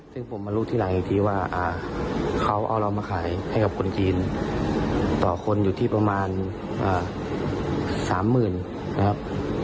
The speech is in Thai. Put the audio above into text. ซึ่งผมมารู้ทีหลังอีกทีว่าเขาเอาเรามาขายให้กับคนจีนต่อคนอยู่ที่ประมาณ๓๐๐๐นะครับ